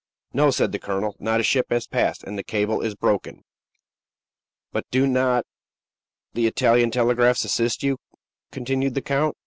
"No," said the colonel; "not a ship has passed; and the cable is broken." "But do not the Italian telegraphs assist you?" continued the count.